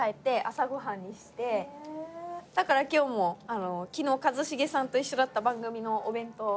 だから今日も昨日一茂さんと一緒だった番組のお弁当を持って帰って。